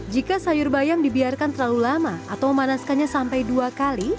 jika sayur bayam dibiarkan terlalu lama atau memanaskannya sampai dua kali